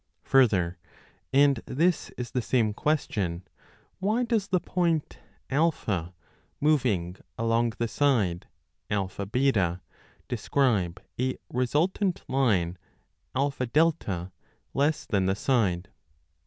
Further (and this is the same ques tion), why does the point [A] moving along the side [AB] 20 describe a resultant line [A A] less than the side